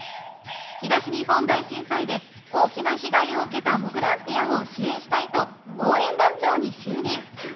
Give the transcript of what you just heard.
東日本大震災で大きな被害を受けたもぐらんぴあを支援したいと応援団長に就任。